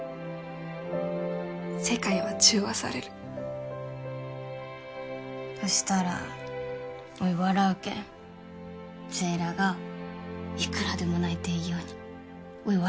世界は中和されるほしたらおい笑うけんセイラがいくらでも泣いていいようにおい笑